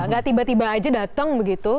gak tiba tiba aja datang begitu